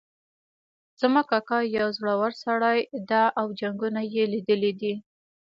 زما کاکا یو زړور سړی ده او جنګونه یې لیدلي دي